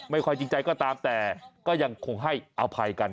ความจริงใจก็ตามแต่ก็ยังคงให้อภัยกัน